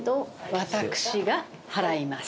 私が払います。